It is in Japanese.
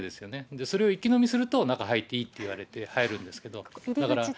それを一気飲みすると、中入っていいって言われて、入るんですけど。